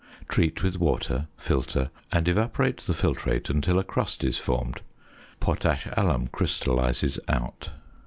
Treat with water, filter, and evaporate the filtrate until a crust is formed. Potash alum crystallises out.